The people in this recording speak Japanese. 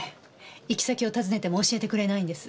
行き先を尋ねても教えてくれないんです。